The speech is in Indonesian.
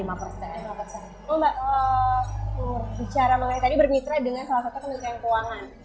mbak bicara mengenai tadi bermitra dengan salah satu kementerian keuangan